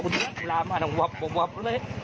กูจะลามมาดังวับเลย